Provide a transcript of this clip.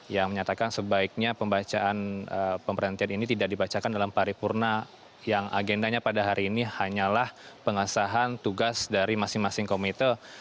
yang menyatakan sebaiknya pembacaan pemberhentian ini tidak dibacakan dalam paripurna yang agendanya pada hari ini hanyalah pengasahan tugas dari masing masing komite